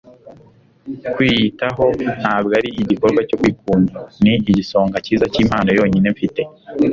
kwiyitaho ntabwo ari igikorwa cyo kwikunda - ni igisonga cyiza cy'impano yonyine mfite